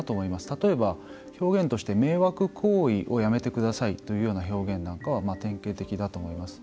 例えば、表現として迷惑行為をやめてくださいという表現が典型的だと思います。